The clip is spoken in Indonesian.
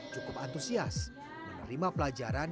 cukup antusias menerima pelajaran